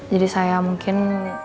jadi saya mungkin